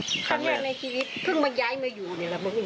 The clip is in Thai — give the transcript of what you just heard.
ทางนั้นในคีวิตเพิ่งมาย้ายมาอยู่นี่แหละ